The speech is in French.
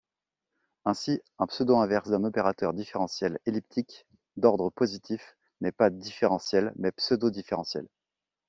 Ainsi, un pseudo-inverse d'un opérateur différentiel elliptique d'ordre positif n'est pas différentiel, mais pseudo-différentiel.